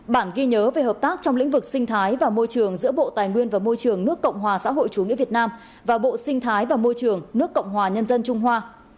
bản ghi nhớ về hợp tác trong lĩnh vực sinh thái và môi trường giữa bộ tài nguyên và môi trường nước cộng hòa xã hội chủ nghĩa việt nam và bộ sinh thái và môi trường nước cộng hòa nhân dân trung hoa